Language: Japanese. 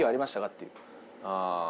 っていう。